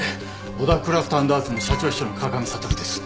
小田クラフト＆アーツの社長秘書の川上悟です。